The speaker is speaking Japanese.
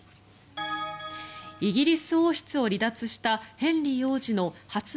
イギリス王室を離脱したヘンリー王子の発売